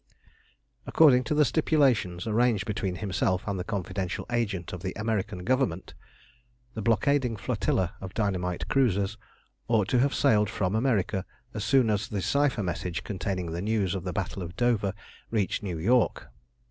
According to the stipulations arranged between himself and the confidential agent of the American Government, the blockading flotilla of dynamite cruisers ought to have sailed from America as soon as the cypher message containing the news of the battle of Dover reached New York.